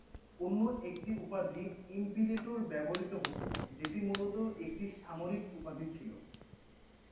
অন্য একটি উপাধি "ইমপিরেটর"ব্যবহৃত হত, যেটি মূলত একটি সামরিক উপাধি ছিল।